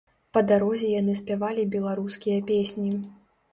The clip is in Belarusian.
Па дарозе яны спявалі беларускія песні.